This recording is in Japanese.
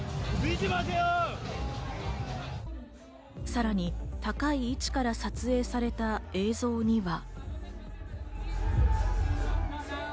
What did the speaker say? さらに、高い位置から撮影された映像には。